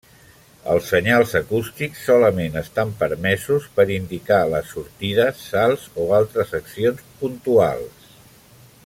Els senyals acústics solament estan permeses per indicar les sortides, salts o altres accions puntuals.